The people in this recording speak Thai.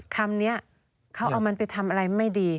คำนี้เขาเอามันไปทำอะไรไม่ดี